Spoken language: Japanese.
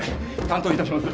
担当いたします